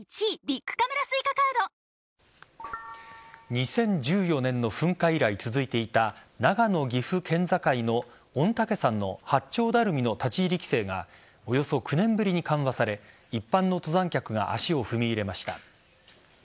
２０１４年の噴火以来続いていた長野・岐阜県境の御嶽山の八丁ダルミの立ち入り規制がおよそ９年ぶりに緩和され一般の登山客が足を踏み入れました。